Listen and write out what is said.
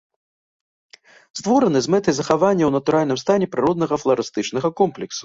Створаны з мэтай захавання ў натуральным стане прыроднага фларыстычнага комплексу.